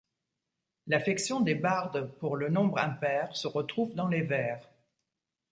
L'affection des bardes pour le nombre impair se retrouve dans les vers.